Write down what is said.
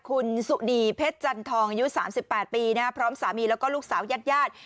คุณสุดีเพชรจันทองยูนสามสิบแปดปีนะฮะพร้อมสามีแล้วก็ลูกสาวยาดยาด